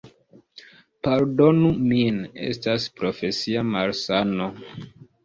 Pardonu min, estas profesia malsano.